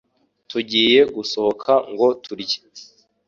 Tugiye gusohoka ngo turye.